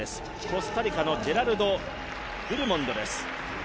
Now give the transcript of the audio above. コスタリカのジェラルド・ドゥルモンドです。